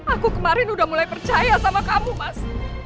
aku kemarin udah mulai percaya sama kamu mas